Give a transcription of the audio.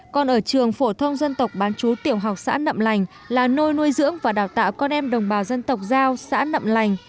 còn ở trường phổ thông dân tộc bán chú tiểu học xã nậm lành là nơi nuôi dưỡng và đào tạo con em đồng bào dân tộc giao xã nậm lành